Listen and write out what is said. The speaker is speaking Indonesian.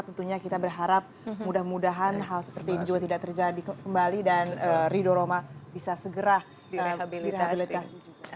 tentunya kita berharap mudah mudahan hal seperti ini juga tidak terjadi kembali dan ridho roma bisa segera direhabilitasi juga